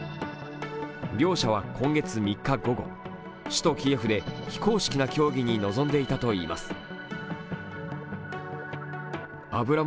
両者は今月３日午後首都キエフで非公式な協議に臨んでいたといいます。